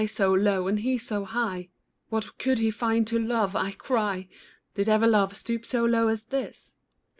I so low, and he so high, What could he find to love? I cry, Did ever love stoop so low as this?